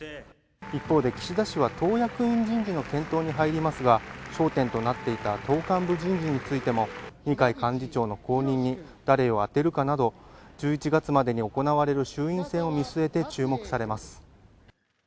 一方で岸田氏は、党役員人事の検討に入りますが焦点となっていた党幹部人事についても二階幹事長の後任に誰をあてるかなど１１月までに行われる衆院選を見据えて注目されます。